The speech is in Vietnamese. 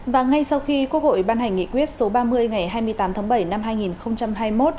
và ngay sau khi quốc hội ban hành nghị quyết số ba mươi ngày hai mươi tám tháng bảy năm hai nghìn hai mươi một